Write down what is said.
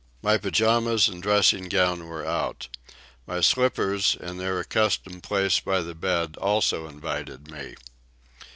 My pyjamas and dressing gown were out. My slippers, in their accustomed place by the bed, also invited me.